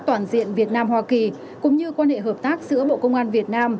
toàn diện việt nam hoa kỳ cũng như quan hệ hợp tác giữa bộ công an việt nam